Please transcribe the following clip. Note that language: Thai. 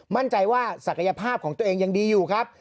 มั่นใจว่าศักยภาพของตัวเองยังดีอยู่ครับ